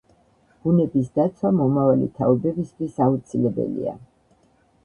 ბუნების დაცვა მომავალი თაობებისთვის აუცილებელია.